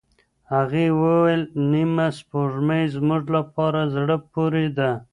هغې وویل، نیمه سپوږمۍ زموږ لپاره زړه پورې ده.